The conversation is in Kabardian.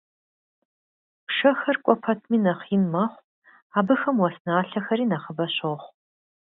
Пшэхэр кӀуэ пэтми нэхъ ин мэхъу, абыхэм уэс налъэхэри нэхъыбэ щохъу.